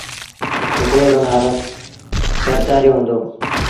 هڪڙي رو نآلو سرڌآريو هُݩدو۔